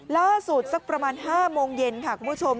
สักประมาณ๕โมงเย็นค่ะคุณผู้ชม